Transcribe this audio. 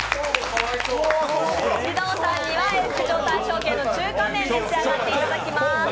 獅童さんには永福町大勝軒の中華麺だけ召し上がっていただきます。